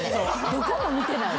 どこも見てない。